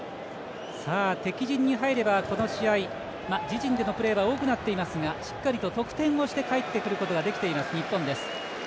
敵陣に入れば、この試合自陣でのプレーは多くなっていますがしっかりと得点をして帰ってくることができています日本です。